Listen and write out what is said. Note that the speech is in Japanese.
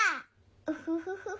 ウフフフフ。